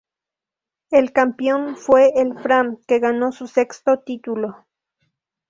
El campeón fue el Fram que ganó su sexto título.